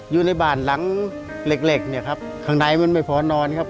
อยู่ในบ้านหลังเล็กข้างในมันไม่พอนอนครับ